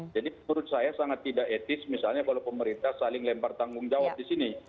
jadi menurut saya sangat tidak etis misalnya kalau pemerintah saling lempar tanggung jawab di sini